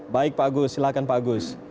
baik pak agus silakan pak agus